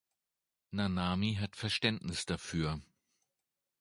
Nanami hat Verständnis dafür.